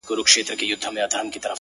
چي يو ځل بيا څوک په واه “واه سي راته”